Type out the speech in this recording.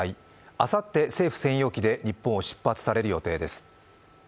あさって、政府専用機で日本を出発される予定です。